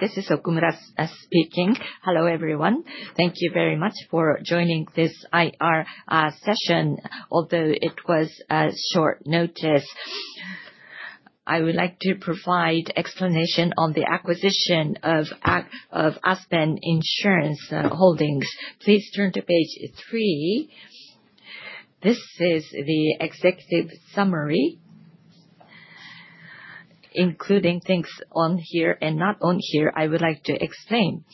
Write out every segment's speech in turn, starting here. This is Okumura speaking. Hello everyone. Thank you very much for joining this IR session. Although it was a short notice, I would like to provide an explanation on the acquisition of Aspen Insurance Holdings. Please turn to page three. This is the executive summary, including things on here and not on here I would like to explain.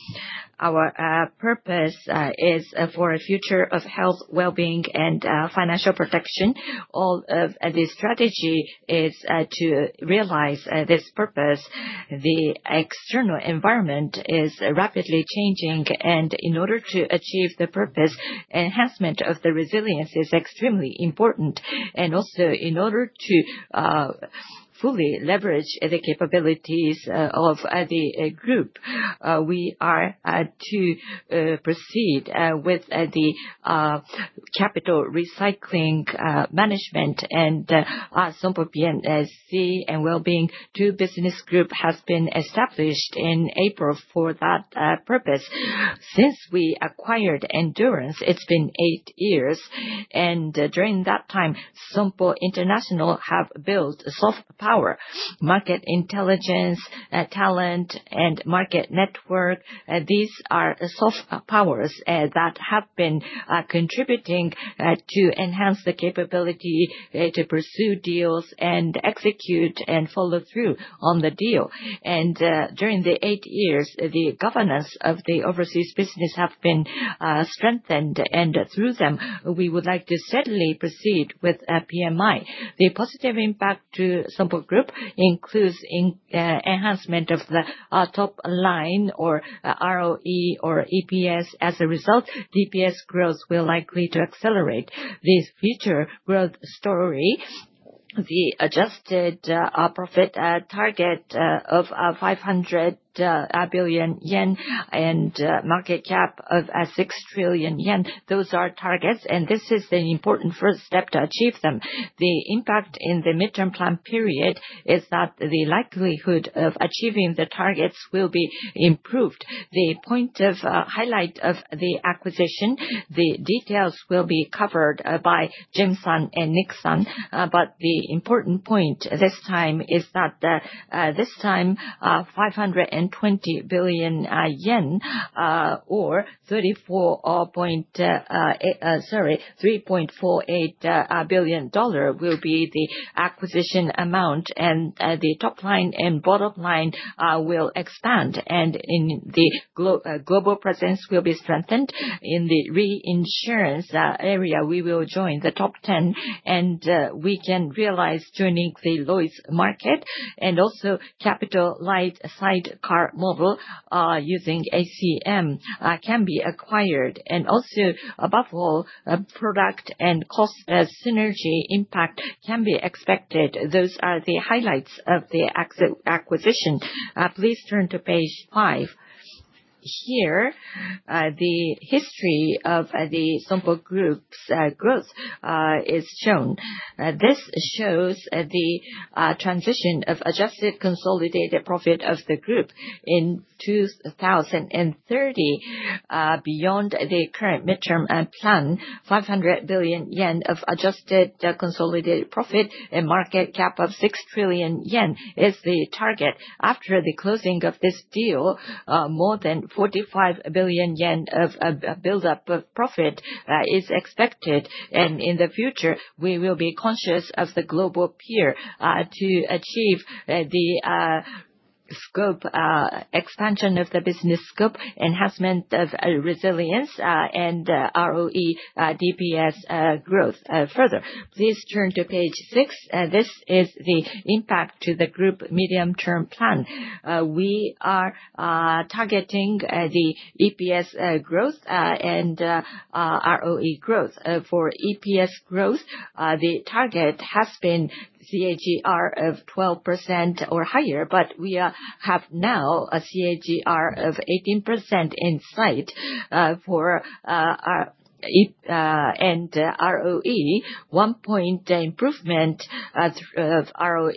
Our purpose is for a future of health, well-being, and financial protection. All of the strategy is to realize this purpose. The external environment is rapidly changing, and in order to achieve the purpose, enhancement of the resilience is extremely important. In order to fully leverage the capabilities of the group, we are to proceed with the capital recycling management. Sompo BNSC and Wellbeing II Business Group has been established in April for that purpose. Since we acquired Endurance, it's been eight years. During that time, Sompo International has built soft power: market intelligence, talent, and market network. These are soft powers that have been contributing to enhance the capability to pursue deals and execute and follow through on the deal. During the eight years, the governance of the overseas business has been strengthened. Through them, we would like to steadily proceed with PMI. The positive impact to the Sompo Group includes the enhancement of the top line or ROE or EPS. As a result, DPS growth will likely accelerate. The future growth story: the adjusted profit target of CNY 500 billion and a market cap of CNY 6 trillion. Those are targets, and this is the important first step to achieve them. The impact in the midterm plan period is that the likelihood of achieving the targets will be improved. The point of highlight of the acquisition, the details will be covered by James Shea and Nicolas Burnet. The important point this time is that this time, CNY 520 billion or $3.48 billion will be the acquisition amount. The top line and bottom line will expand. The global presence will be strengthened. In the reinsurance area, we will join the top ten, and we can realize joining the Lloyd’s market. Capital-light, fee-based income using ACM can be acquired. Above all, product and cost synergy impact can be expected. Those are the highlights of the acquisition. Please turn to page five. Here, the history of the Sompo Group's growth is shown. This shows the transition of adjusted consolidated profit of the group in 2030. Beyond the current midterm plan, CNY 500 billion of adjusted consolidated profit and a market cap of CNY 6 trillion is the target. After the closing of this deal, more than CNY 45 billion of build-up profit is expected. In the future, we will be conscious of the global peer to achieve the scope expansion of the business scope, enhancement of resilience, and ROE DPS growth further. Please turn to page six. This is the impact to the group medium-term plan. We are targeting the EPS growth and ROE growth. For EPS growth, the target has been CAGR of 12% or higher, but we have now a CAGR of 18% in sight. For ROE, one point improvement of ROE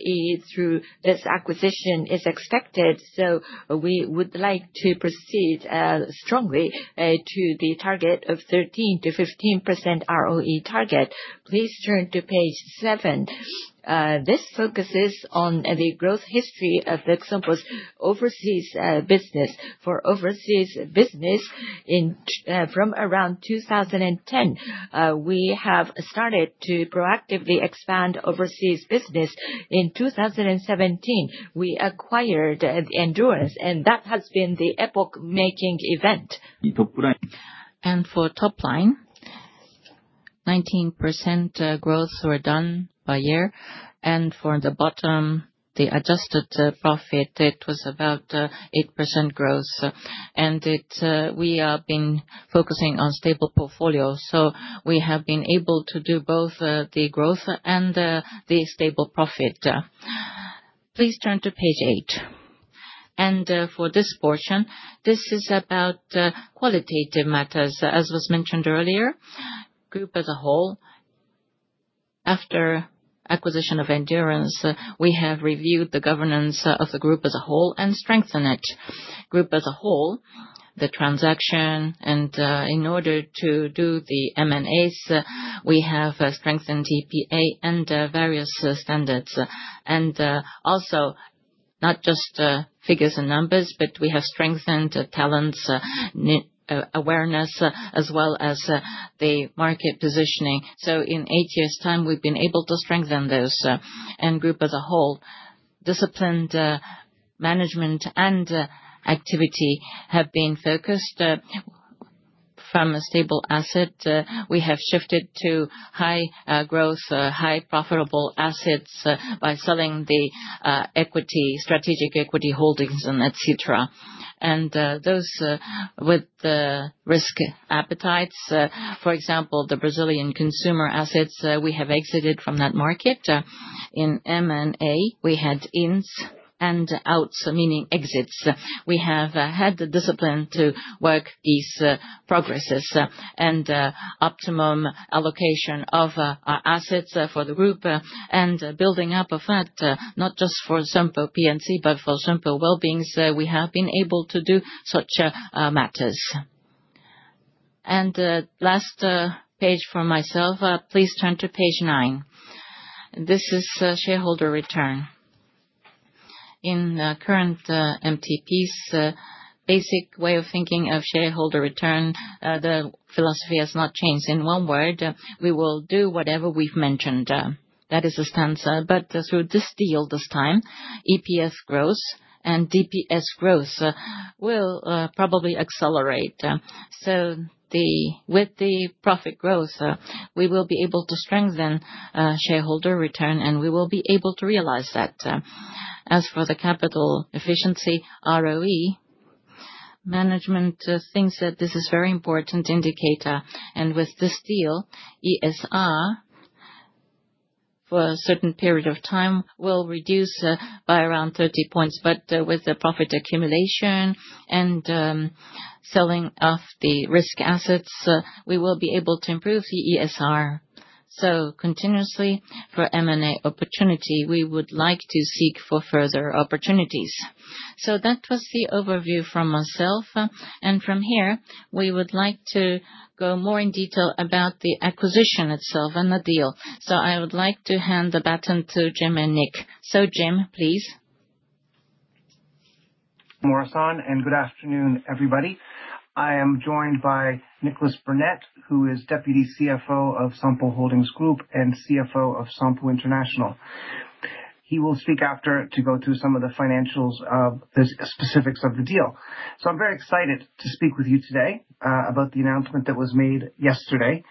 through this acquisition is expected. We would like to proceed strongly to the target of 13%-15% ROE target. Please turn to page seven. This focuses on the growth history of Sompo's overseas business. For overseas business, from around 2010, we have started to proactively expand overseas business. In 2017, we acquired Endurance, and that has been the epoch-making event. For top line, 19% growth were done by year. For the bottom, the adjusted profit, it was about 8% growth. We have been focusing on stable portfolio. We have been able to do both the growth and the stable profit. Please turn to page eight. For this portion, this is about qualitative matters. As was mentioned earlier, the group as a whole, after the acquisition of Endurance, we have reviewed the governance of the group as a whole and strengthened it. Group as a whole, the transaction, and in order to do the M&As, we have strengthened EPA and various standards. Also, not just figures and numbers, but we have strengthened talent awareness as well as the market positioning. In eight years' time, we've been able to strengthen this. Group as a whole, disciplined management and activity have been focused. From a stable asset, we have shifted to high growth, high profitable assets by selling the strategic equity holdings and etc. Those with the risk appetites, for example, the Brazilian consumer assets, we have exited from that market. In M&A, we had ins and outs, meaning exits. We have had the discipline to work these progresses and optimum allocation of assets for the group. Building up of that, not just for Sompo P&C but for Sompo Wellbeing, we have been able to do such matters. Last page for myself, please turn to page nine. This is shareholder return. In current MTPs, basic way of thinking of shareholder return, the philosophy has not changed. In one word, we will do whatever we've mentioned. That is the stance. Through this deal this time, EPS growth and DPS growth will probably accelerate. With the profit growth, we will be able to strengthen shareholder return, and we will be able to realize that. As for the capital efficiency, ROE, management thinks that this is a very important indicator. With this deal, ESR for a certain period of time will reduce by around 30 points. With the profit accumulation and selling of the risk assets, we will be able to improve the ESR. Continuously, for M&A opportunity, we would like to seek for further opportunities. That was the overview from myself. From here, we would like to go more in detail about the acquisition itself and the deal. I would like to hand the baton to Jim and Nick. Jim, please. Morrison, and good afternoon, everybody. I am joined by Nicolas Burnet, who is Deputy CFO of Sompo Holdings Group and CFO of Sompo International. He will speak after to go through some of the financials, the specifics of the deal. I'm very excited to speak with you today about the announcement that was made yesterday.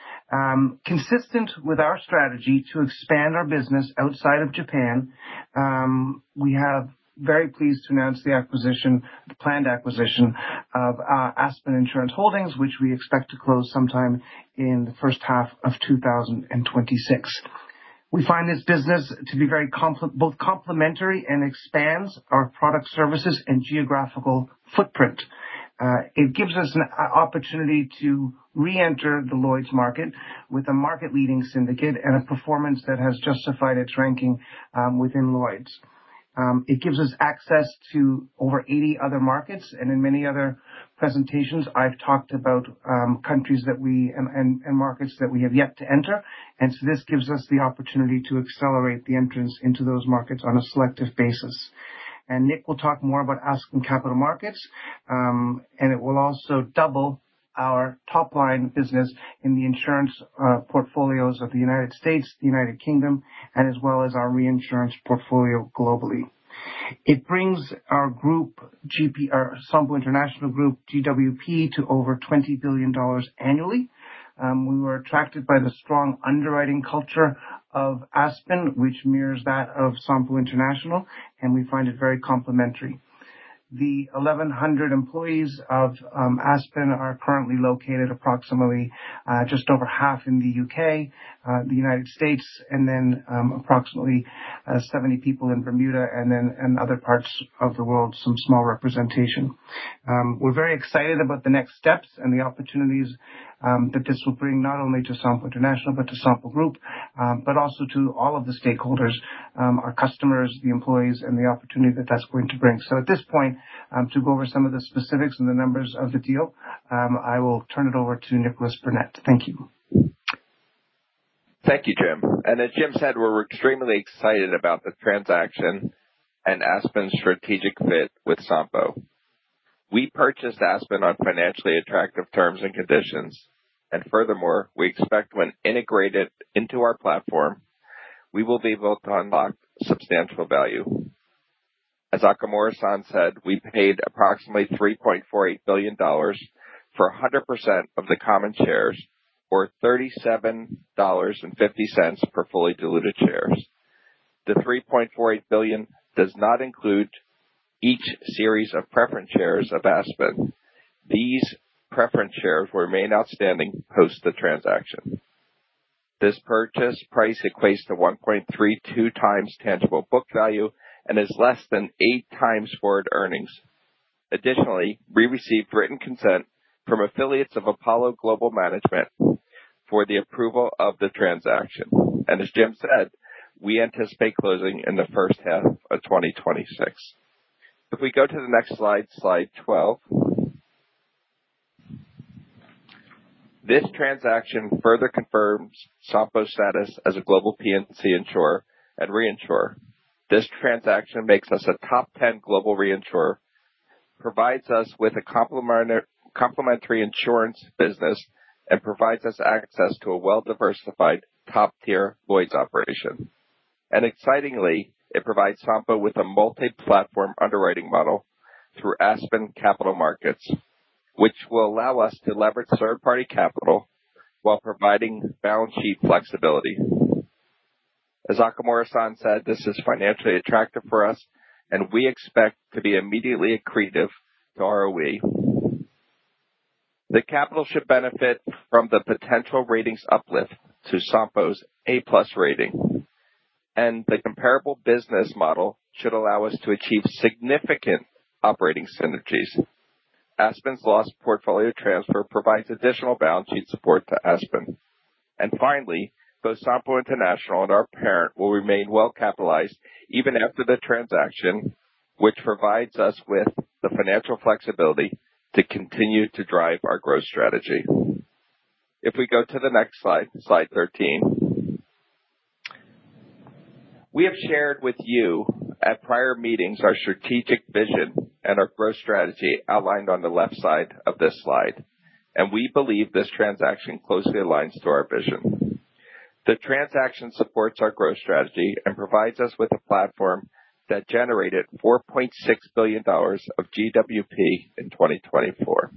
Consistent with our strategy to expand our business outside of Japan, we are very pleased to announce the acquisition, the planned acquisition of Aspen Insurance Holdings, which we expect to close sometime in the first half of 2026. We find this business to be both complementary and expands our product services and geographical footprint. It gives us an opportunity to reenter the Lloyd’s market with a market-leading syndicate and a performance that has justified its ranking within Lloyd’s. It gives us access to over 80 other markets. In many other presentations, I've talked about countries and markets that we have yet to enter. This gives us the opportunity to accelerate the entrance into those markets on a selective basis. Nick will talk more about Aspen Capital Markets. It will also double our top-line business in the insurance portfolios of the United States, the United Kingdom, as well as our reinsurance portfolio globally. It brings our group, Sompo International Group, GWPs to over $20 billion annually. We were attracted by the strong underwriting culture of Aspen, which mirrors that of Sompo International, and we find it very complementary. The 1,100 employees of Aspen are currently located approximately just over half in the U.K., the United States, and then approximately 70 people in Bermuda and then in other parts of the world, some small representation. We're very excited about the next steps and the opportunities that this will bring, not only to Sompo International but to Sompo Group, but also to all of the stakeholders, our customers, the employees, and the opportunity that that's going to bring. At this point, to go over some of the specifics and the numbers of the deal, I will turn it over to Nicolas Burnet. Thank you. Thank you, Jim. As Jim said, we're extremely excited about the transaction and Aspen's strategic fit with Sompo. We purchased Aspen on financially attractive terms and conditions. Furthermore, we expect when integrated into our platform, we will be able to unlock substantial value. As Okumura-san said, we paid approximately $3.48 billion for 100% of the common shares or $37.50 for fully diluted shares. The $3.48 billion does not include each series of preference shares of Aspen. These preference shares will remain outstanding post the transaction. This purchase price equates to 1.32x tangible book value and is less than 8x forward earnings. Additionally, we received written consent from affiliates of Apollo Global Management for the approval of the transaction. As Jim said, we anticipate closing in the first half of 2026. If we go to the next slide, slide 12, this transaction further confirms Sompo's status as a global P&C insurer and reinsurer. This transaction makes us a top 10 global reinsurer, provides us with a complementary insurance business, and provides us access to a well-diversified top-tier Lloyd’s operation. Excitingly, it provides Sompo with a multi-platform underwriting model through Aspen Capital Markets, which will allow us to leverage third-party capital while providing balance sheet flexibility. As Okumura-san said, this is financially attractive for us, and we expect to be immediately accretive to ROE. The capital should benefit from the potential ratings uplift to Sompo's A+ rating. The comparable business model should allow us to achieve significant operating synergies. Aspen's loss portfolio transfer provides additional balance sheet support to Aspen. Finally, both Sompo International and our parent will remain well-capitalized even after the transaction, which provides us with the financial flexibility to continue to drive our growth strategy. If we go to the next slide, slide 13, we have shared with you at prior meetings our strategic vision and our growth strategy outlined on the left side of this slide. We believe this transaction closely aligns to our vision. The transaction supports our growth strategy and provides us with a platform that generated $4.6 billion of GWPs in 2024.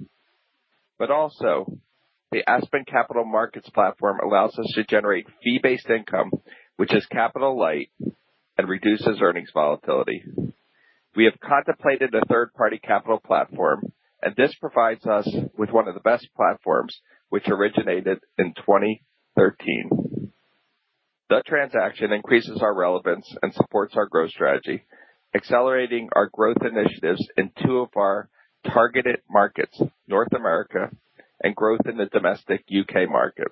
The Aspen Capital Markets platform allows us to generate fee-based income, which is capital-light and reduces earnings volatility. We have contemplated a third-party capital platform, and this provides us with one of the best platforms, which originated in 2013. The transaction increases our relevance and supports our growth strategy, accelerating our growth initiatives in two of our targeted markets, North America and growth in the domestic U.K. market.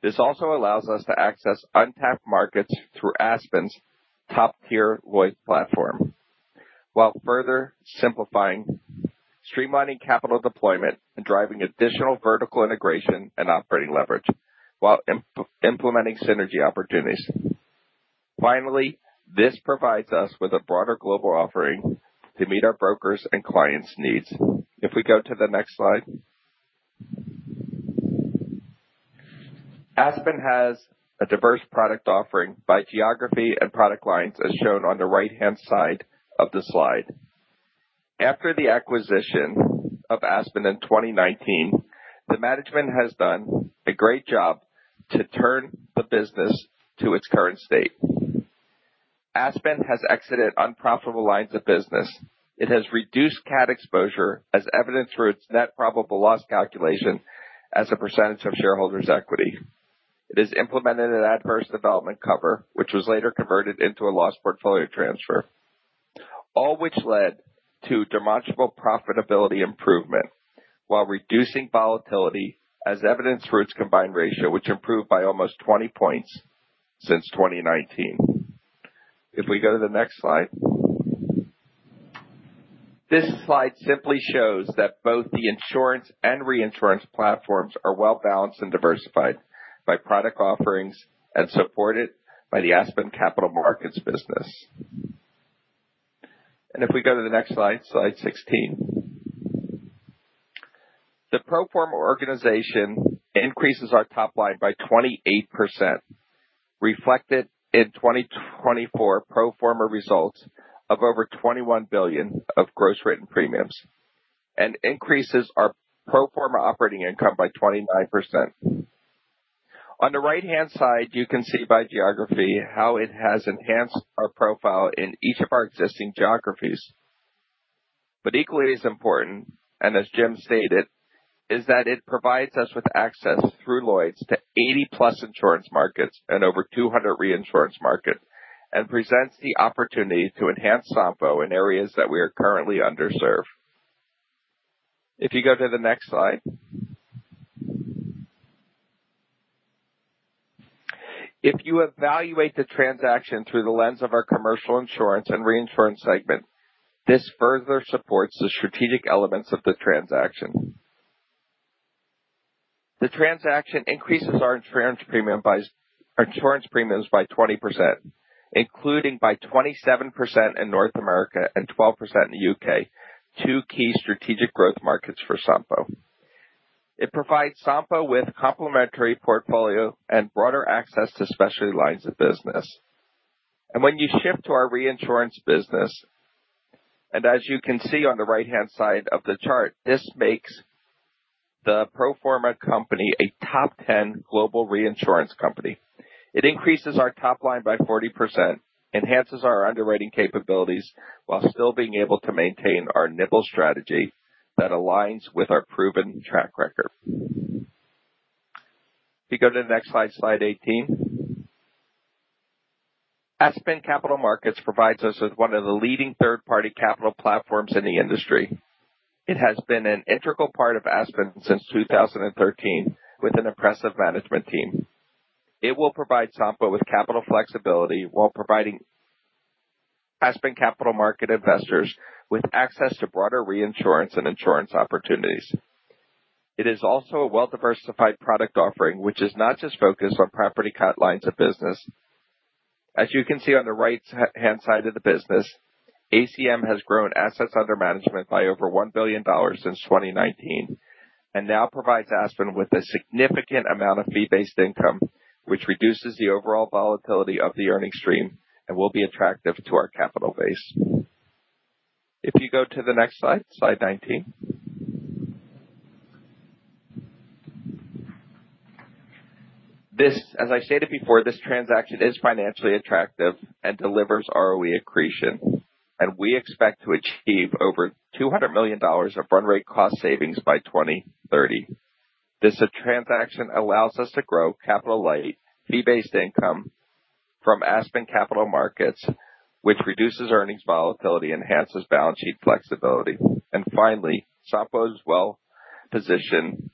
This also allows us to access untapped markets through Aspen's top-tier Lloyd’s platform while further simplifying, streamlining capital deployment, and driving additional vertical integration and operating leverage while implementing synergy opportunities. Finally, this provides us with a broader global offering to meet our brokers' and clients' needs. If we go to the next slide, Aspen has a diverse product offering by geography and product lines as shown on the right-hand side of the slide. After the acquisition of Aspen in 2019, the management has done a great job to turn the business to its current state. Aspen has exited unprofitable lines of business. It has reduced CAT exposure as evidenced through its net probable loss calculation as a percentage of shareholders' equity. It has implemented an adverse development cover, which was later converted into a loss portfolio transfer, all of which led to demonstrable profitability improvement while reducing volatility as evidenced through its combined ratio, which improved by almost 20 points since 2019. If we go to the next slide, this slide simply shows that both the insurance and reinsurance platforms are well-balanced and diversified by product offerings and supported by the Aspen Capital Markets business. If we go to the next slide, slide 16, the pro forma organization increases our top line by 28%, reflected in 2024 pro forma results of over $21 billion of gross written premiums, and increases our pro forma operating income by 29%. On the right-hand side, you can see by geography how it has enhanced our profile in each of our existing geographies. Equally as important, and as Jim stated, is that it provides us with access through Lloyd’s to 80+ insurance markets and over 200 reinsurance markets and presents the opportunity to enhance Sompo in areas that we are currently underserved. If you go to the next slide, if you evaluate the transaction through the lens of our commercial insurance and reinsurance segment, this further supports the strategic elements of the transaction. The transaction increases our insurance premiums by 20%, including by 27% in North America and 12% in the U.K., two key strategic growth markets for Sompo Holdings. It provides Sompo Holdings with a complementary portfolio and broader access to specialty lines of business. When you shift to our reinsurance business, as you can see on the right-hand side of the chart, this makes the pro forma company a top 10 global reinsurance company. It increases our top line by 40% and enhances our underwriting capabilities while still being able to maintain our nimble strategy that aligns with our proven track record. If you go to the next slide, slide 18, Aspen Capital Markets provides us with one of the leading third-party capital platforms in the industry. It has been an integral part of Aspen since 2013 with an impressive management team. It will provide Sompo with capital flexibility while providing Aspen Capital Markets investors with access to broader reinsurance and insurance opportunities. It is also a well-diversified product offering, which is not just focused on property cat lines of business. As you can see on the right-hand side of the business, ACM has grown assets under management by over $1 billion since 2019 and now provides Aspen with a significant amount of fee-based income, which reduces the overall volatility of the earnings stream and will be attractive to our capital base. If you go to the next slide, slide 19, as I stated before, this transaction is financially attractive and delivers ROE accretion. We expect to achieve over $200 million of run-rate cost savings by 2030. This transaction allows us to grow capital-light, fee-based income from Aspen Capital Markets, which reduces earnings volatility and enhances balance sheet flexibility. Finally, Sompo is well-positioned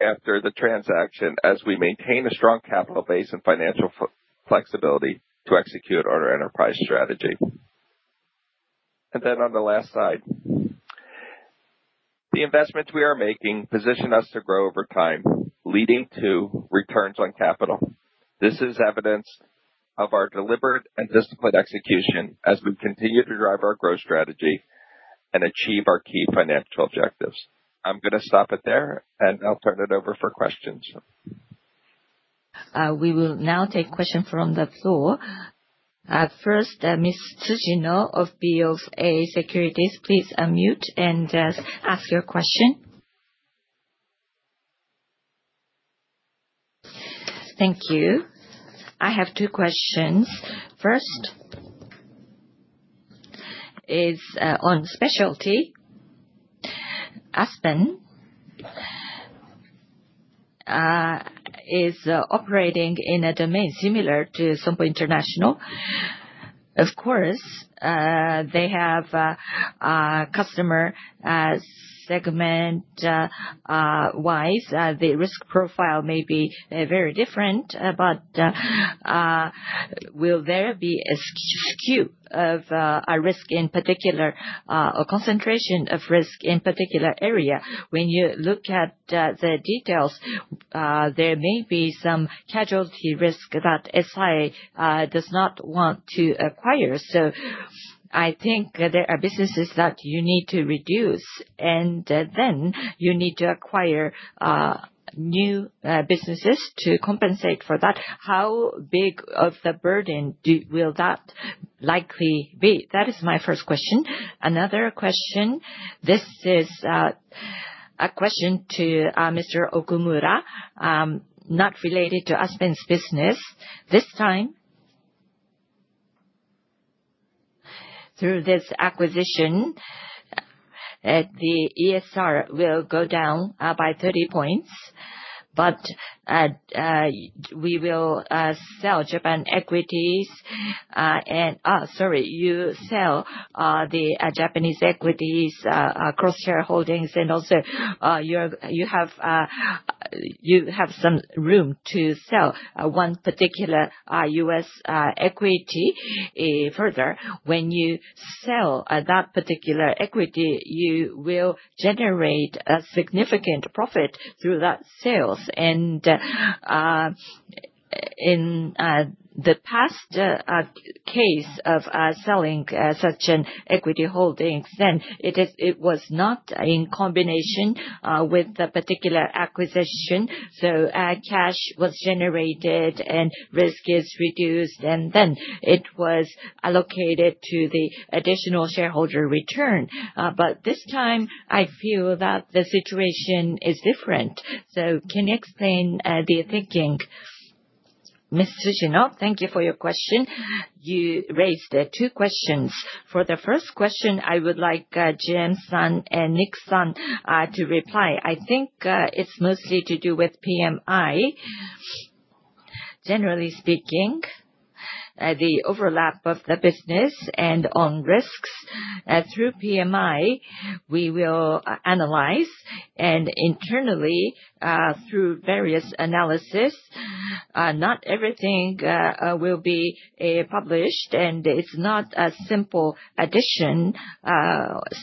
after the transaction as we maintain a strong capital base and financial flexibility to execute our enterprise strategy. On the last slide, the investments we are making position us to grow over time, leading to returns on capital. This is evidence of our deliberate and disciplined execution as we continue to drive our growth strategy and achieve our key financial objectives. I'm going to stop it there, and I'll turn it over for questions. We will now take questions from the floor. First, Ms. Tsujino of BofA Securities, please unmute and ask your question. Thank you. I have two questions. First is on specialty. Aspen is operating in a domain similar to Sompo International. Of course, they have a customer segment-wise. The risk profile may be very different, but will there be a skew of a risk in particular or concentration of risk in a particular area? When you look at the details, there may be some casualty risk that SI does not want to acquire. I think there are businesses that you need to reduce, and then you need to acquire new businesses to compensate for that. How big of the burden will that likely be? That is my first question. Another question, this is a question to Mr. Okumura, not related to Aspen's business. This time, through this acquisition, the ESR will go down by 30 points. You will sell Japanese equities across cross-shareholdings. Also, you have some room to sell one particular U.S. equity further. When you sell that particular equity, you will generate a significant profit through that sales. In the past case of selling such an equity holding, it was not in combination with the particular acquisition. Cash was generated and risk is reduced. It was allocated to the additional shareholder return. This time, I feel that the situation is different. Can you explain the thinking? Ms. Tsujino, thank you for your question. You raised two questions. For the first question, I would like James and Nicolas to reply. I think it's mostly to do with PMI, generally speaking, the overlap of the business and on risks. Through PMI, we will analyze. Internally, through various analysis, not everything will be published, and it's not a simple addition.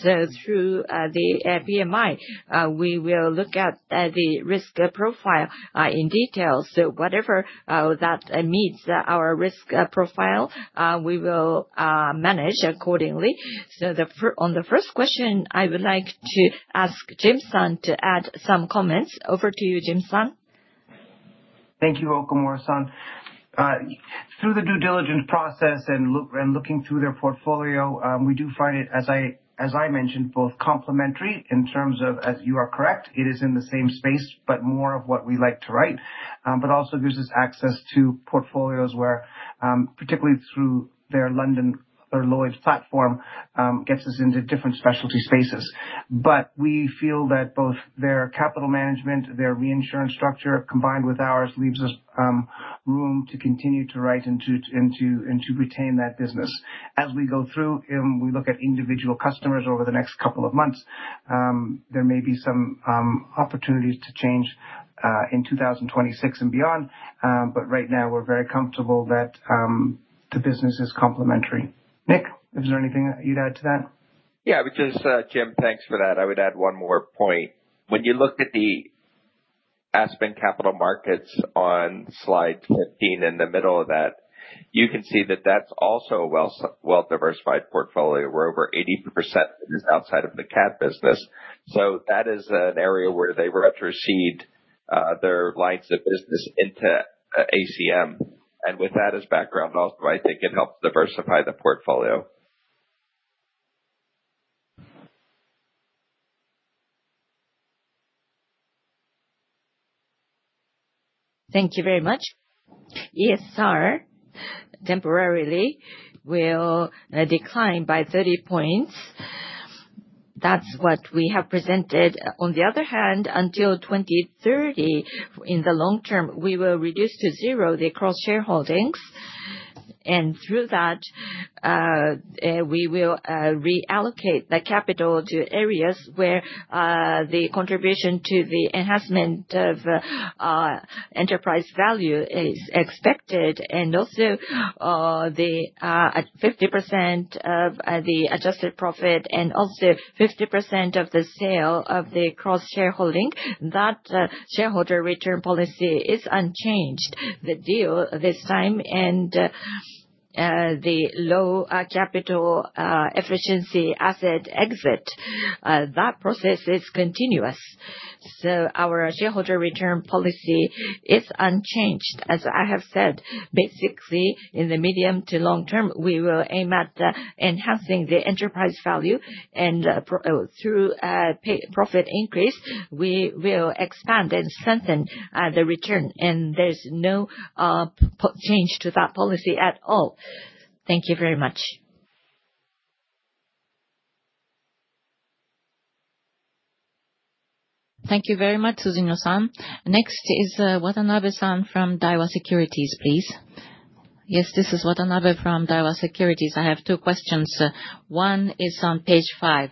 Through the PMI, we will look at the risk profile in detail. Whatever that meets our risk profile, we will manage accordingly. On the first question, I would like to ask James to add some comments. Over to you, James. Thank you, Okumura. Through the due diligence process and looking through their portfolio, we do find it, as I mentioned, both complementary in terms of, as you are correct, it is in the same space, but more of what we like to write. It also gives us access to portfolios where, particularly through their London or Lloyd’s platform, gets us into different specialty spaces. We feel that both their capital management, their reinsurance structure, combined with ours, leaves us room to continue to write and to retain that business. As we go through and we look at individual customers over the next couple of months, there may be some opportunities to change in 2026 and beyond. Right now, we're very comfortable that the business is complementary. Nick, is there anything you'd add to that? Yeah, because, Jim, thanks for that. I would add one more point. When you look at the Aspen Capital Markets on slide 15, in the middle of that, you can see that that's also a well-diversified portfolio where over 80% is outside of the CAT business. That is an area where they retrocede their lines of business into ACM. With that as background, also, I think it helps diversify the portfolio. Thank you very much. ESR temporarily will decline by 30 points. That's what we have presented. On the other hand, until 2030, in the long term, we will reduce to zero the cross-shareholdings. Through that, we will reallocate the capital to areas where the contribution to the enhancement of enterprise value is expected. Also, the 50% of the adjusted profit and also 50% of the sale of the cross-shareholdings, that shareholder return policy is unchanged. The deal this time and the low capital efficiency asset exit, that process is continuous. Our shareholder return policy is unchanged. As I have said, basically, in the medium to long term, we will aim at enhancing the enterprise value. Through a profit increase, we will expand and strengthen the return. There's no change to that policy at all. Thank you very much. Thank you very much, Tsutomu Yamaguchi. Next is Watanabe from Daiwa Securities. Please. Yes, this is Watanabe from Daiwa Securities. I have two questions. One is on page five,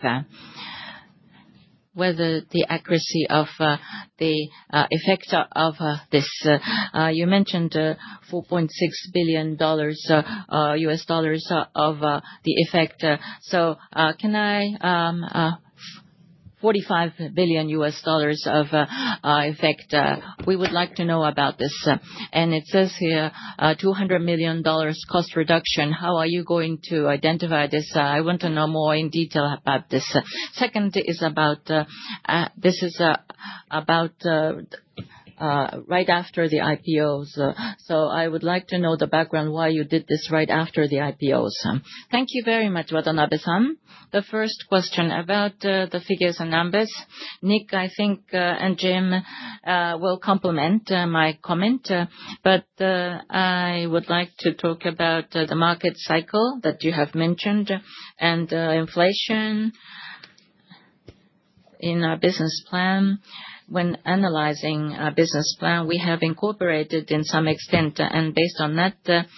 whether the accuracy of the effect of this. You mentioned $4.6 billion U.S. dollars of the effect. Can I $45 billion U.S. dollars of effect? We would like to know about this. It says here, $200 million cost reduction. How are you going to identify this? I want to know more in detail about this. Second is about this is about right after the IPOs. I would like to know the background why you did this right after the IPOs. Thank you very much, Watanabe. The first question about the figures and numbers. Nick, I think, and Jim will complement my comment. I would like to talk about the market cycle that you have mentioned and inflation in our business plan. When analyzing our business plan, we have incorporated in some extent, and based on that,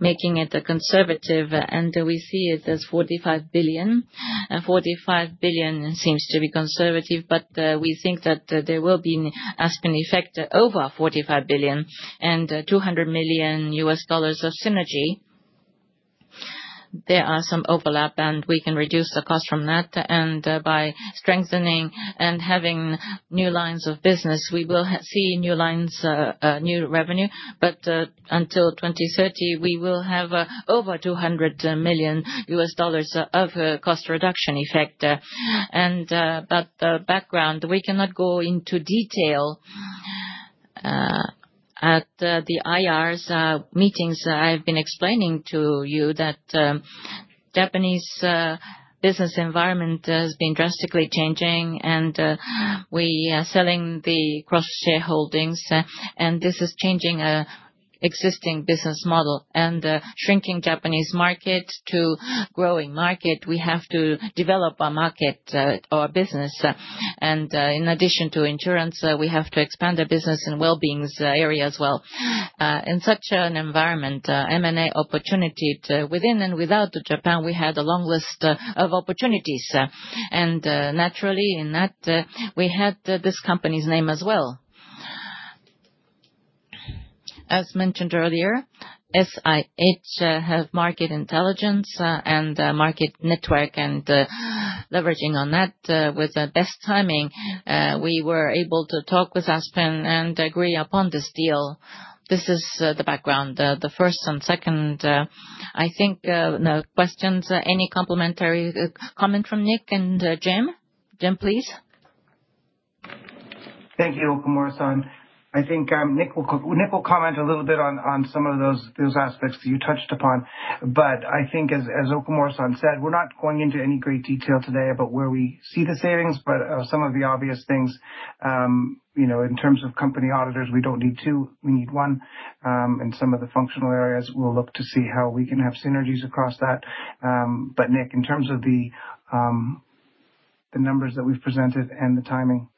making it a conservative. We see it as $45 billion. $45 billion seems to be conservative, but we think that there will be an Aspen effect over $45 billion and $200 million U.S. dollars of synergy. There are some overlap, and we can reduce the cost from that. By strengthening and having new lines of business, we will see new lines, new revenue. Until 2030, we will have over $200 million U.S. dollars of a cost reduction effect. The background, we cannot go into detail at the IR's meetings. I have been explaining to you that Japanese business environment has been drastically changing, and we are selling the cross-shareholdings. This is changing our existing business model. Shrinking Japanese market to growing market, we have to develop our market or our business. In addition to insurance, we have to expand our business in wellbeing's area as well. In such an environment, M&A opportunity within and without Japan, we had a long list of opportunities. Naturally, in that, we had this company's name as well. As mentioned earlier, SIH have market intelligence and market network, and leveraging on that, with the best timing, we were able to talk with Aspen and agree upon this deal. This is the background, the first and second. I think no questions. Any complementary comment from Nick and Jim? Jim, please. Thank you, Okumura. I think Nick will comment a little bit on some of those aspects that you touched upon. I think, as Okumura said, we're not going into any great detail today about where we see the savings, but some of the obvious things, you know, in terms of company auditors, we don't need two. We need one. In some of the functional areas, we'll look to see how we can have synergies across that. Nick, in terms of the numbers that we've presented and the timing,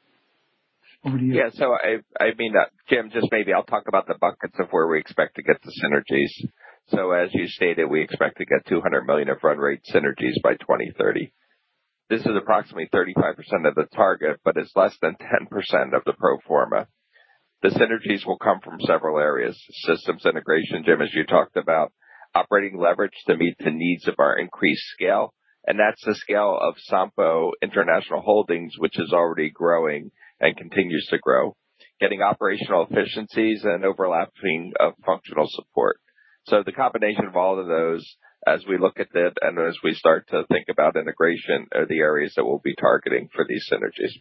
over to you. Yeah, so I mean, Jim, just maybe I'll talk about the buckets of where we expect to get the synergies. As you stated, we expect to get $200 million of run-rate synergies by 2030. This is approximately 35% of the target, but it's less than 10% of the pro forma. The synergies will come from several areas: systems integration, Jim, as you talked about, operating leverage to meet the needs of our increased scale. That's the scale of Sompo International Holdings, which is already growing and continues to grow, getting operational efficiencies and overlapping functional support. The combination of all of those, as we look at it and as we start to think about integration, are the areas that we'll be targeting for these synergies.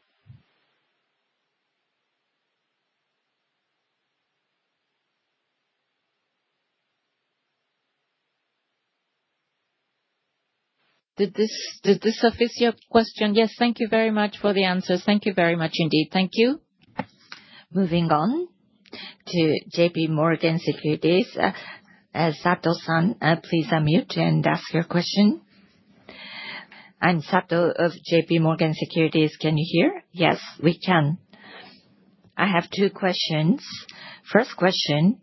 Did this suffice your question? Yes, thank you very much for the answer. Thank you very much indeed. Thank you. Moving on to JPMorgan Securities. Sato, please unmute and ask your question. I'm Sato of JPMorgan Securities. Can you hear? Yes, we can. I have two questions. First question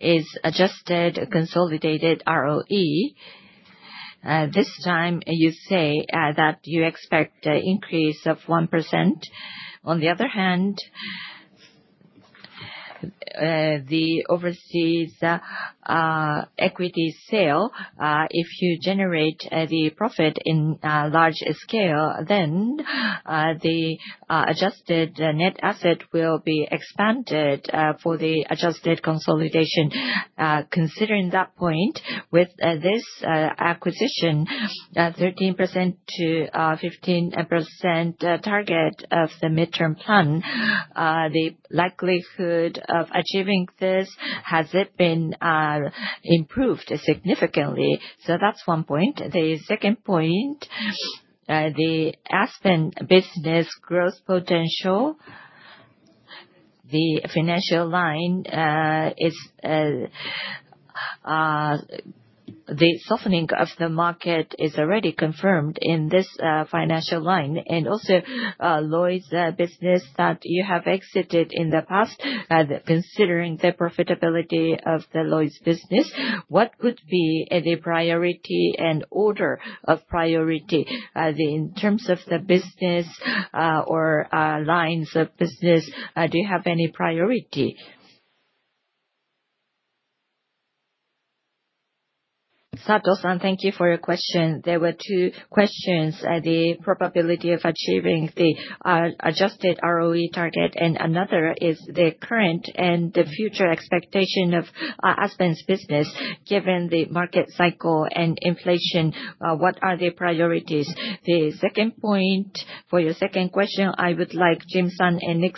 is adjusted consolidated ROE. This time, you say that you expect an increase of 1%. On the other hand, the overseas equity sale, if you generate the profit in large scale, then the adjusted net asset will be expanded for the adjusted consolidation. Considering that point, with this acquisition, a 13%-15% target of the midterm plan, the likelihood of achieving this, has it been improved significantly? That's one point. The second point, the Aspen business growth potential, the financial line, the softening of the market is already confirmed in this financial line. Also, Lloyd’s business that you have exited in the past, considering the profitability of the Lloyd’s business, what would be the priority and order of priority in terms of the business or lines of business? Do you have any priority? Sato, thank you for your question. There were two questions. The probability of achieving the adjusted ROE target and another is the current and the future expectation of Aspen's business. Given the market cycle and inflation, what are the priorities? The second point for your second question, I would like James and Nicolas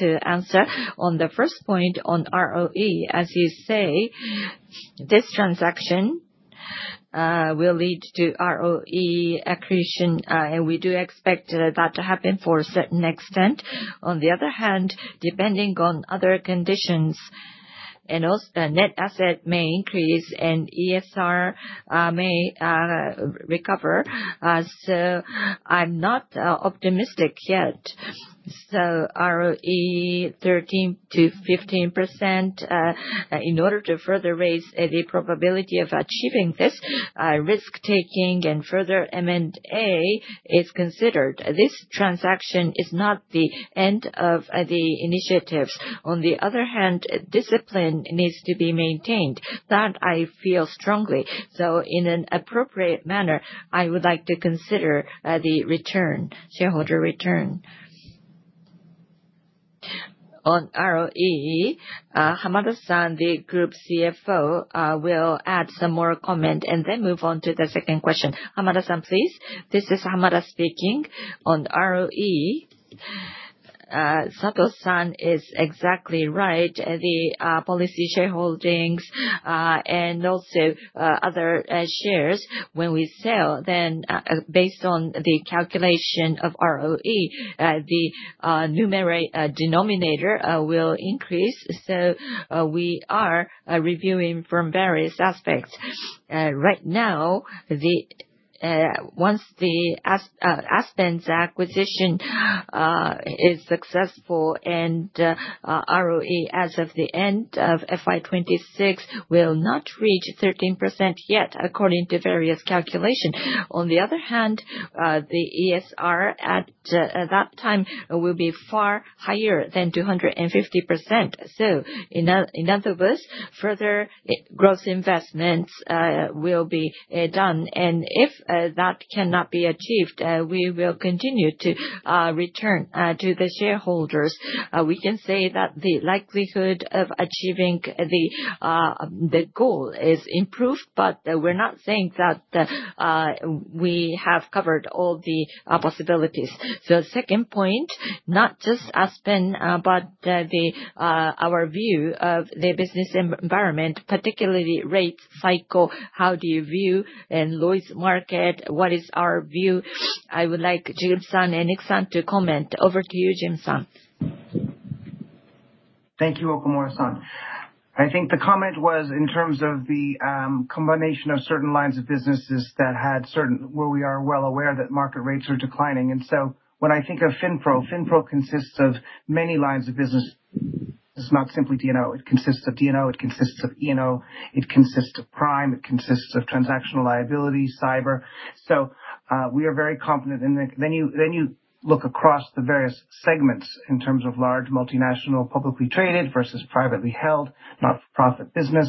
to answer on the first point on ROE. As you say, this transaction will lead to ROE accretion, and we do expect that to happen for a certain extent. On the other hand, depending on other conditions, and also, the net asset may increase and ESR may recover. I'm not optimistic yet. ROE 13%-15%, in order to further raise the probability of achieving this, risk-taking and further M&A is considered. This transaction is not the end of the initiatives. On the other hand, discipline needs to be maintained. That I feel strongly. In an appropriate manner, I would like to consider the return, shareholder return. On ROE, Hamada, the Group CFO, will add some more comment and then move on to the second question. Hamada, please. This is Hamada speaking. On ROE, Sato is exactly right. The policy shareholdings and also other shares, when we sell, then based on the calculation of ROE, the numeric denominator will increase. We are reviewing from various aspects. Right now, once the Aspen acquisition is successful and ROE as of the end of FY 2026 will not reach 13% yet, according to various calculations. On the other hand, the ESR at that time will be far higher than 250%. In other words, further growth investments will be done. If that cannot be achieved, we will continue to return to the shareholders. We can say that the likelihood of achieving the goal is improved, but we're not saying that we have covered all the possibilities. Second point, not just Aspen, but our view of the business environment, particularly rate cycle, how do you view and Lloyd’s market, what is our view? I would like James and Nicolas to comment. Over to you, James. Thank you, Okumura. I think the comment was in terms of the combination of certain lines of businesses that had certain, where we are well aware that market rates are declining. When I think of FinPro, FinPro consists of many lines of business. It's not simply DNO. It consists of DNO. It consists of ENO. It consists of Prime. It consists of transactional liability, cyber. We are very confident in that. You look across the various segments in terms of large multinational publicly traded versus privately held, not-for-profit business.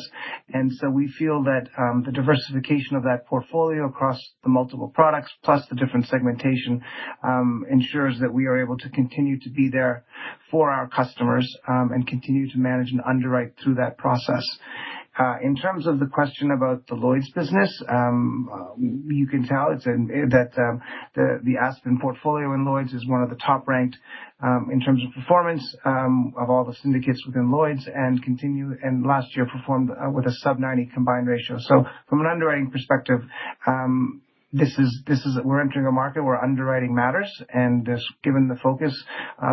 We feel that the diversification of that portfolio across the multiple products, plus the different segmentation, ensures that we are able to continue to be there for our customers and continue to manage and underwrite through that process. In terms of the question about the Lloyd’s business, you can tell that the Aspen portfolio in Lloyd’s is one of the top-ranked in terms of performance of all the syndicates within Lloyd’s and last year performed with a sub-90% combined ratio. From an underwriting perspective, this is that we're entering a market where underwriting matters. Given the focus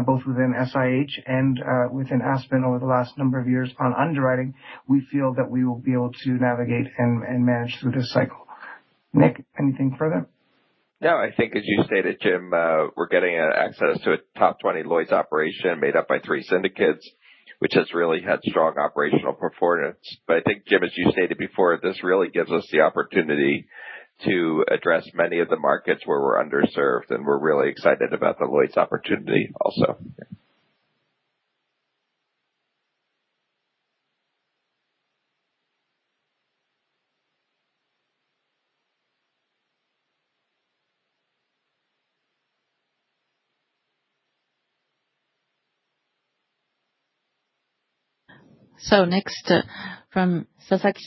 both within SIH and within Aspen over the last number of years on underwriting, we feel that we will be able to navigate and manage through this cycle. Nick, anything further? No, I think, as you stated, Jim, we're getting access to a top 20 Lloyd’s operation made up by three syndicates, which has really had strong operational performance. I think, Jim, as you stated before, this really gives us the opportunity to address many of the markets where we're underserved. We're really excited about the Lloyd’s opportunity also. Next, from Sasaki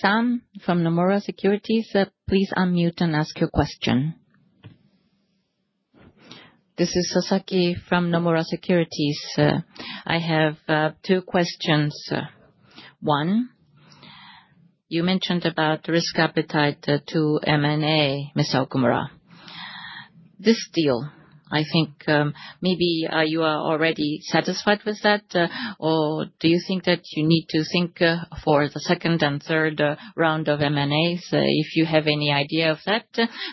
from Nomura Securities, please unmute and ask your question. This is Sasaki from Nomura Securities. I have two questions. One, you mentioned about the risk appetite to M&A, Mr. Okumura. This deal, I think, maybe you are already satisfied with that, or do you think that you need to think for the second and third round of M&A? If you have any idea of that,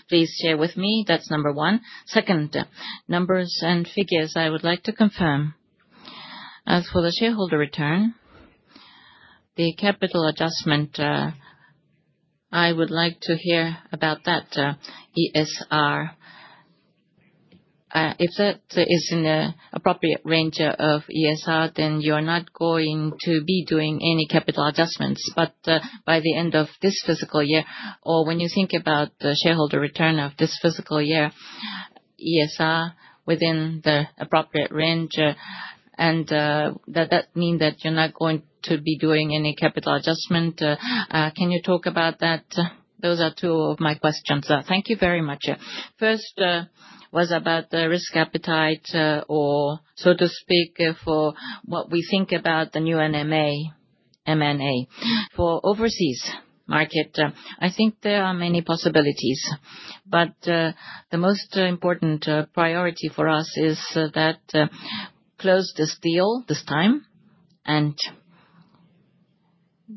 please share with me. That's number one. Second, numbers and figures I would like to confirm. As for the shareholder return, the capital adjustment, I would like to hear about that ESR. If that is in the appropriate range of ESR, then you are not going to be doing any capital adjustments. By the end of this fiscal year, or when you think about the shareholder return of this fiscal year, ESR within the appropriate range, and that means that you're not going to be doing any capital adjustment. Can you talk about that? Those are two of my questions. Thank you very much. First was about the risk appetite, or so to speak, for what we think about the new M&A for overseas market. I think there are many possibilities. The most important priority for us is that we close this deal this time and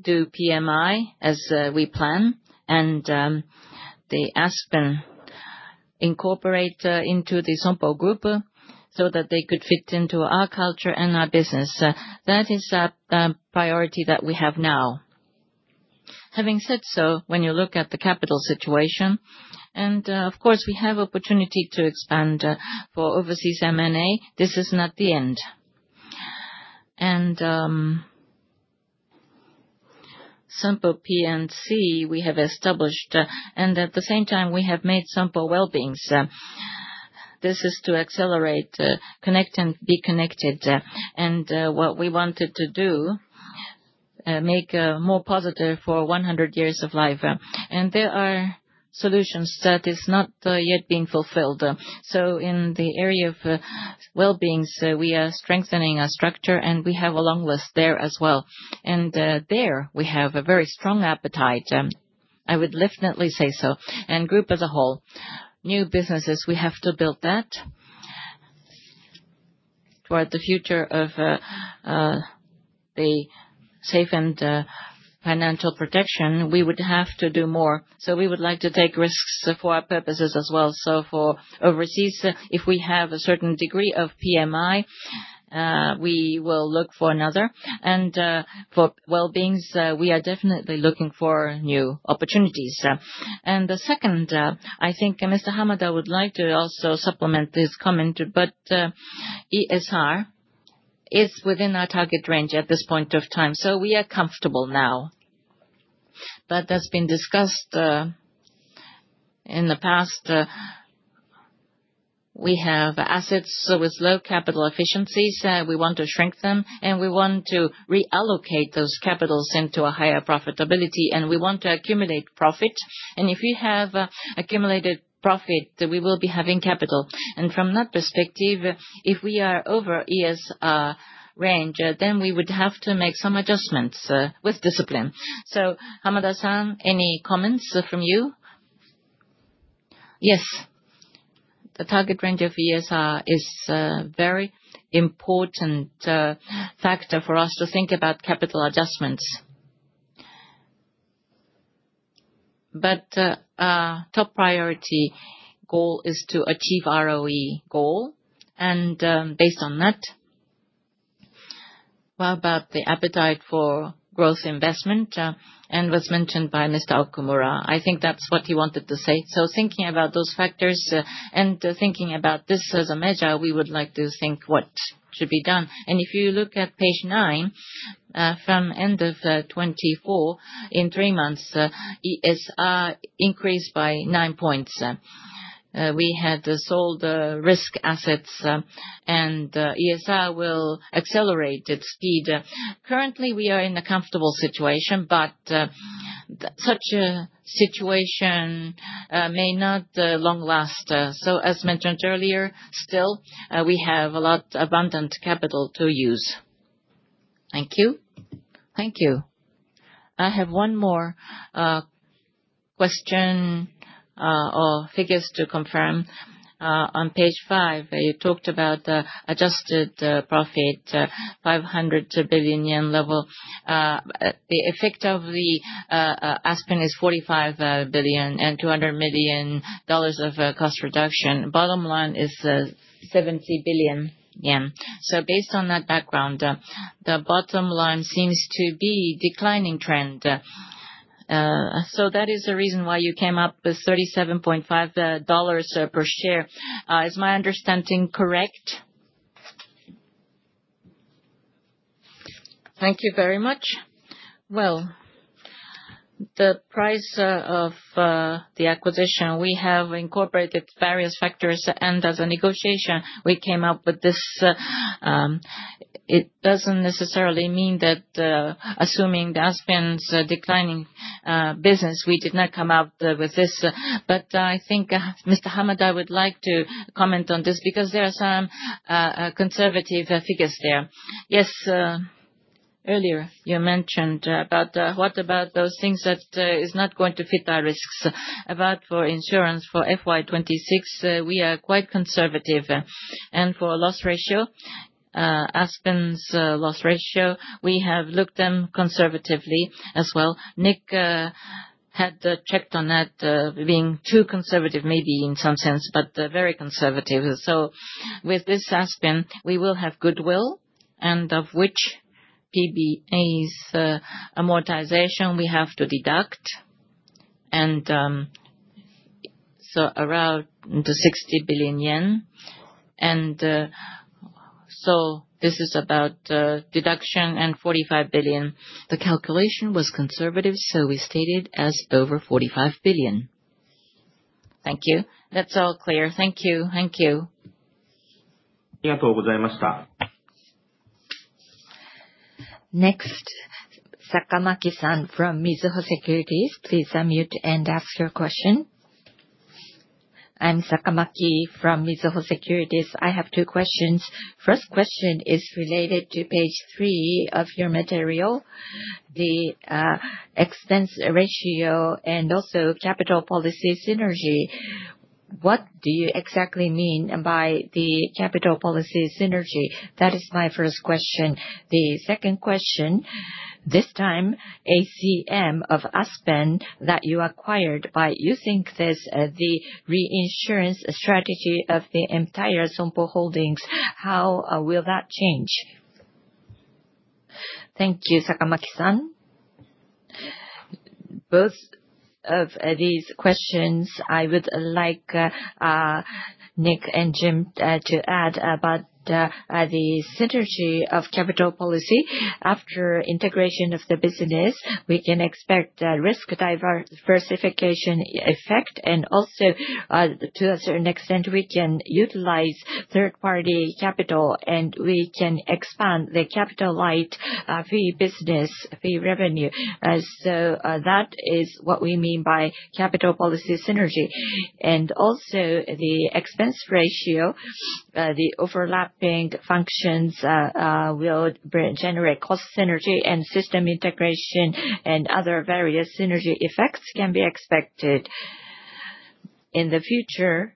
do PMI as we plan and the Aspen incorporate into the Sompo Group so that they could fit into our culture and our business. That is a priority that we have now. Having said so, when you look at the capital situation, and of course, we have opportunity to expand for overseas M&A, this is not the end. Sompo P&C, we have established, and at the same time, we have made Sompo Wellbeings. This is to accelerate, connect, and be connected. What we wanted to do, make more positive for 100 years of life. There are solutions that are not yet being fulfilled. In the area of wellbeings, we are strengthening our structure, and we have a long list there as well. There, we have a very strong appetite. I would definitely say so. Group as a whole, new businesses, we have to build that. For the future of the safe and financial protection, we would have to do more. We would like to take risks for our purposes as well. For overseas, if we have a certain degree of PMI, we will look for another. For wellbeings, we are definitely looking for new opportunities. The second, I think Mr. Hamada would like to also supplement his comment, but ESR is within our target range at this point of time. We are comfortable now. That's been discussed in the past. We have assets with low capital efficiencies. We want to shrink them, and we want to reallocate those capitals into a higher profitability. We want to accumulate profit. If we have accumulated profit, we will be having capital. From that perspective, if we are over ESR range, then we would have to make some adjustments with discipline. Hamada, any comments from you? Yes. The target range of ESR is a very important factor for us to think about capital adjustments. Our top priority goal is to achieve ROE goal. Based on that, what about the appetite for growth investment? It was mentioned by Mr. Okumura. I think that's what he wanted to say. Thinking about those factors and thinking about this as a measure, we would like to think what should be done. If you look at page nine, from the end of 2024, in three months, ESR increased by 9 points. We had sold risk assets, and ESR will accelerate its speed. Currently, we are in a comfortable situation, but such a situation may not long last. As mentioned earlier, still, we have a lot of abundant capital to use. Thank you. Thank you. I have one more question or figures to confirm. On page five, you talked about the adjusted profit, CNY 500 billion level. Effectively, Aspen is $4.5 billion and $200 million of cost reduction. Bottom line is CNY 70 billion. Based on that background, the bottom line seems to be a declining trend. That is the reason why you came up with $37.5 per share. Is my understanding correct? Thank you very much. The price of the acquisition, we have incorporated various factors. As a negotiation, we came up with this. It doesn't necessarily mean that assuming Aspen's declining business, we did not come up with this. I think Mr. Hamada would like to comment on this because there are some conservative figures there. Yes. Earlier, you mentioned about what about those things that are not going to fit our risks. About for insurance for FY 2026, we are quite conservative. For loss ratio, Aspen's loss ratio, we have looked at them conservatively as well. Nick had checked on that being too conservative, maybe in some sense, but very conservative. With this Aspen, we will have goodwill, and of which PBA's amortization we have to deduct. Around CNY 60 billion. This is about deduction and 45 billion. The calculation was conservative, so we stated as over 45 billion. Thank you. That's all clear. Thank you. Thank you. Next, Sakamaki from Mizuho Securities. Please unmute and ask your question. I'm Sakamaki from Mizuho Securities. I have two questions. First question is related to page three of your material, the expense ratio and also capital policy synergy. What do you exactly mean by the capital policy synergy? That is my first question. The second question, this time, ACM of Aspen that you acquired by using the reinsurance strategy of the entire Sompo Holdings, how will that change? Thank you, Sakamaki. Both of these questions, I would like Nick and Jim to add about the synergy of capital policy. After integration of the business, we can expect risk diversification effect. Also, to a certain extent, we can utilize third-party capital, and we can expand the capital-light, fee-based income, fee revenue. That is what we mean by capital policy synergy. Also, the expense ratio, the overlapping functions will generate cost synergy and system integration, and other various synergy effects can be expected. In the future,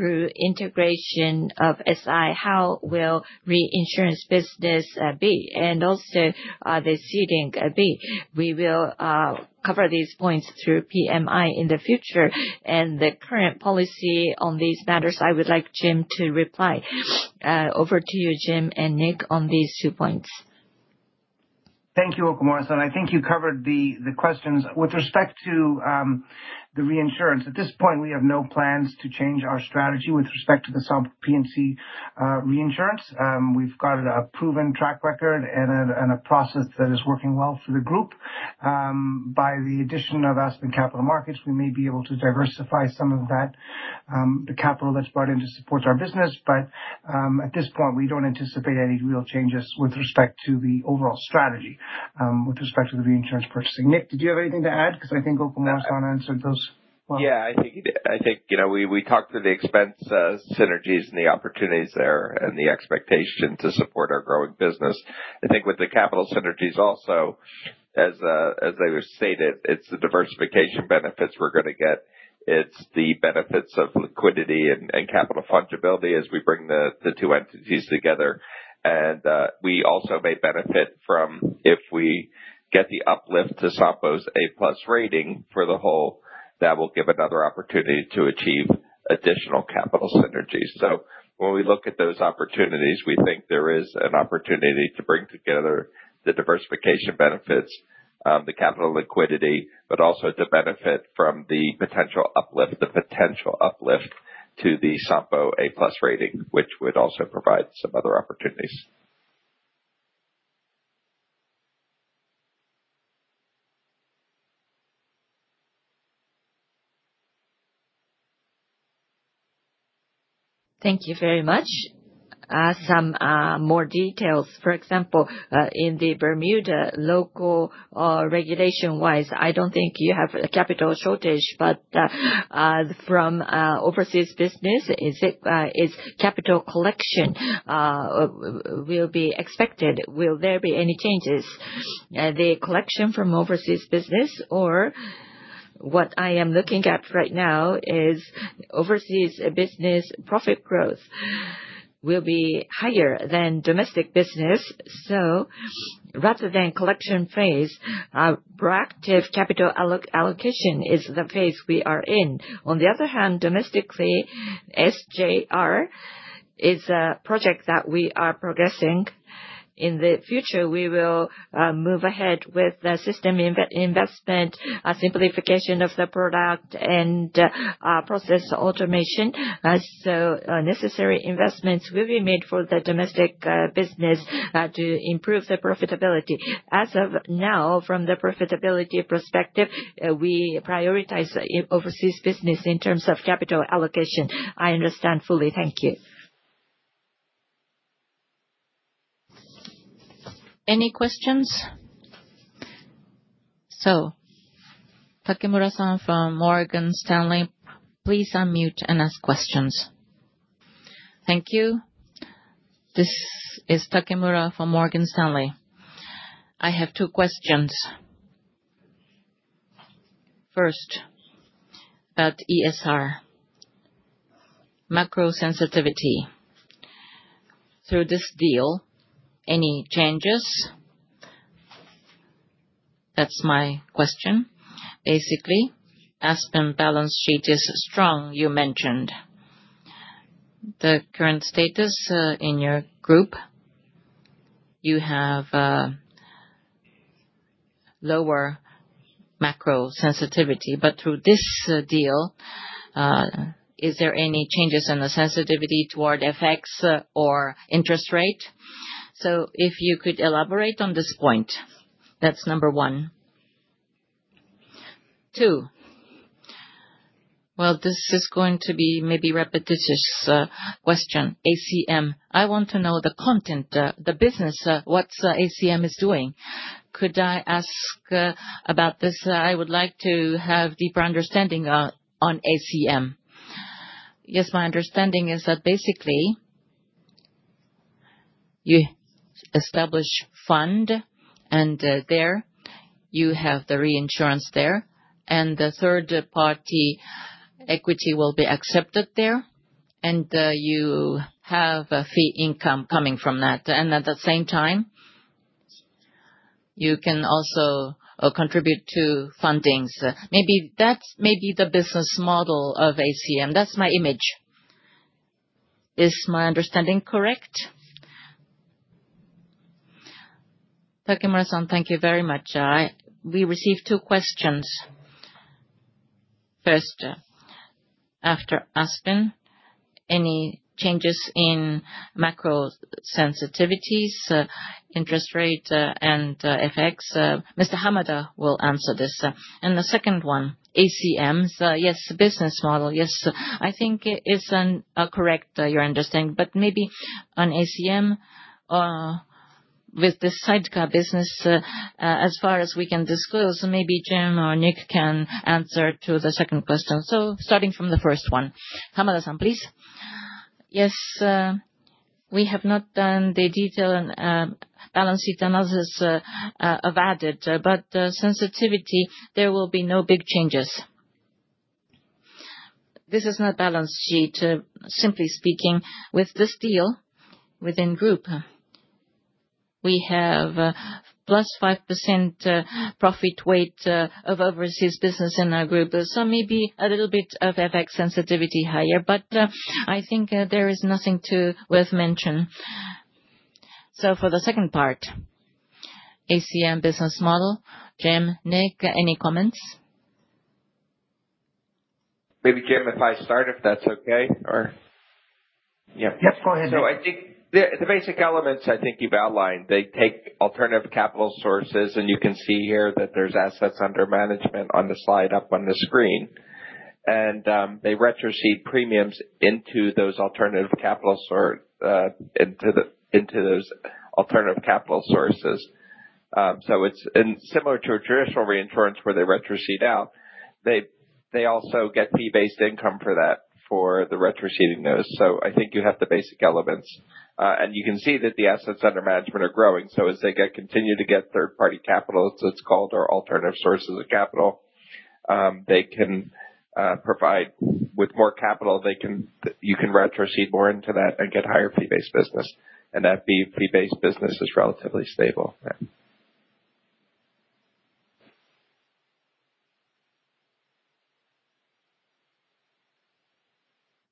through integration of SI, how will reinsurance business be? Also, are the seeding be? We will cover these points through PMI in the future. The current policy on these matters, I would like Jim to reply. Over to you, Jim and Nick, on these two points. Thank you, Okumura. I think you covered the questions. With respect to the reinsurance, at this point, we have no plans to change our strategy with respect to the Sompo P&C reinsurance. We've got a proven track record and a process that is working well for the group. By the addition of Aspen Capital Markets, we may be able to diversify some of that, the capital that's brought in to support our business. At this point, we don't anticipate any real changes with respect to the overall strategy, with respect to the reinsurance purchasing. Nick, did you have anything to add? I think Okumura-san answered those ones. I think he did. I think we talked through the expense synergies and the opportunities there and the expectation to support our growing business. With the capital synergies also, as they were stated, it's the diversification benefits we're going to get. It's the benefits of liquidity and capital fungibility as we bring the two entities together. We also may benefit from, if we get the uplift to Sompo's A+ rating for the whole, that will give another opportunity to achieve additional capital synergies. When we look at those opportunities, we think there is an opportunity to bring together the diversification benefits, the capital liquidity, but also to benefit from the potential uplift, the potential uplift to the Sompo A+ rating, which would also provide some other opportunities. Thank you very much. Some more details. For example, in the Bermuda local regulation-wise, I don't think you have a capital shortage, but from overseas business, is capital collection will be expected? Will there be any changes? The collection from overseas business, or what I am looking at right now is overseas business profit growth will be higher than domestic business. Rather than collection phase, proactive capital allocation is the phase we are in. On the other hand, domestically, SJR is a project that we are progressing. In the future, we will move ahead with the system investment, simplification of the product, and process automation. Necessary investments will be made for the domestic business to improve the profitability. As of now, from the profitability perspective, we prioritize overseas business in terms of capital allocation. I understand fully. Thank you. Any questions? Takemura from Morgan Stanley, please unmute and ask questions. Thank you. This is Takemura from Morgan Stanley. I have two questions. First, about ESR. Macro sensitivity. Through this deal, any changes? That's my question. Basically, Aspen balance sheet is strong, you mentioned. The current status in your group, you have lower macro sensitivity. Through this deal, is there any changes in the sensitivity toward FX or interest rate? If you could elaborate on this point, that's number one. Two, this is going to be maybe a repetitious question. ACM, I want to know the content, the business, what ACM is doing. Could I ask about this? I would like to have a deeper understanding on ACM. Yes, my understanding is that basically you establish a fund, and there you have the reinsurance there. The third-party equity will be accepted there. You have a fee income coming from that. At the same time, you can also contribute to fundings. Maybe that's the business model of ACM. That's my image. Is my understanding correct? Takemura-san, thank you very much. We received two questions. First, after Aspen, any changes in macro sensitivities, interest rate, and FX? Mr. Hamada will answer this. The second one, ACM, yes, the business model, yes. I think it's correct, your understanding. Maybe on ACM, with the sidecar business, as far as we can disclose, maybe Jim or Nick can answer to the second question. Starting from the first one. Hamada-san, please. Yes, we have not done the detailed balance sheet analysis of added. The sensitivity, there will be no big changes. This is not a balance sheet. Simply speaking, with this deal within the group, we have a +5% profit weight of overseas business in our group. Maybe a little bit of FX sensitivity higher. I think there is nothing too worth mentioning. For the second part, ACM business model, Jim, Nick, any comments? Maybe James, if I start, if that's okay? Yep, go ahead, Nicolas. I think the basic elements, I think you've outlined. They take alternative capital sources, and you can see here that there's assets under management on the slide up on the screen. They retrocede premiums into those alternative capital sources. It's similar to a traditional reinsurance where they retrocede out. They also get fee-based income for that, for the retroceding notes. I think you have the basic elements. You can see that the assets under management are growing. As they continue to get third-party capital, as it's called, or alternative sources of capital, they can provide with more capital. You can retrocede more into that and get higher fee-based business. That fee-based business is relatively stable.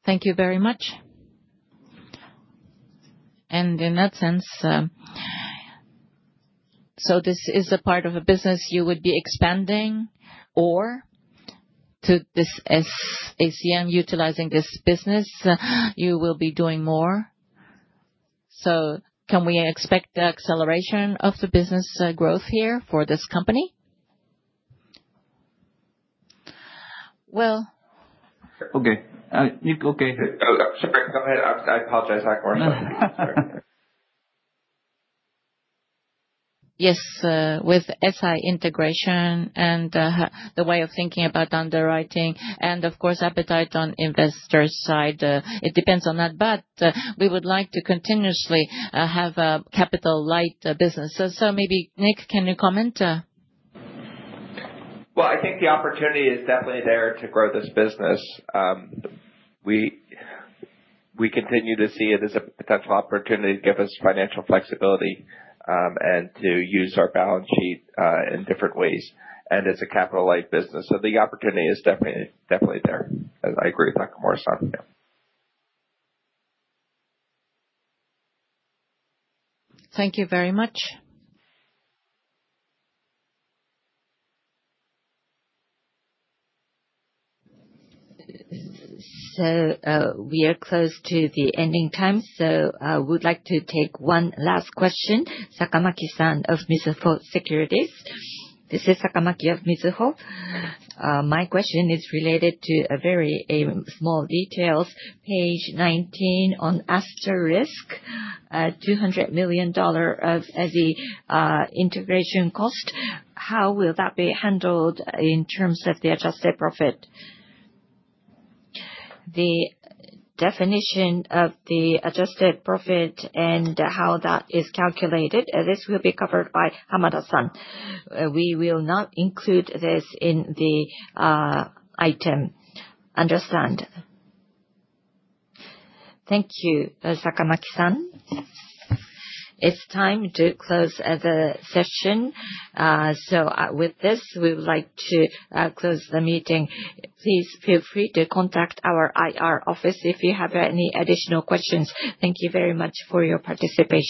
Thank you very much. In that sense, this is a part of a business you would be expanding, or to this ACM utilizing this business, you will be doing more. Can we expect the acceleration of the business growth here for this company? Okay, Nicolas, okay. Sure, go ahead. I apologize. Yes, with SI integration and the way of thinking about underwriting, and of course, appetite on the investor's side, it depends on that. We would like to continuously have a capital-light business. Maybe, Nick, can you comment? I think the opportunity is definitely there to grow this business. We continue to see it as a potential opportunity to give us financial flexibility and to use our balance sheet in different ways. It's a capital-light business. The opportunity is definitely, definitely there. I agree with Okumura. Thank you very much. We are close to the ending time. I would like to take one last question, Sakamak of Mizuho Securities. This is Sakamaki of Mizuho. My question is related to a very small detail, page 19 on asterisk, $200 million of the integration cost. How will that be handled in terms of the adjusted profit? The definition of the adjusted profit and how that is calculated, this will be covered by Hamada. We will not include this in the item. Understand. Thank you, Sakamaki. It's time to close the session. With this, we would like to close the meeting. Please feel free to contact our IR office if you have any additional questions. Thank you very much for your participation.